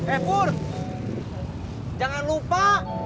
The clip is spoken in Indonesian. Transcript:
eh pur jangan lupa